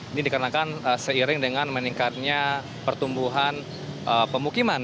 ini dikarenakan seiring dengan meningkatnya pertumbuhan pemukiman